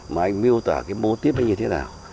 mà anh miêu tả cái mô tiếp anh như thế nào